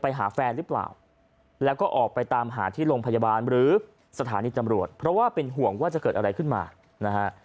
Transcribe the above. ไปหาแฟนหรือเปล่าแล้วก็ออกไปตามหาที่โรงพยาบาลหรือสถานีตำรวจเพราะว่าเป็นห่วงว่าจะเกิดอะไรขึ้นมานะฮะ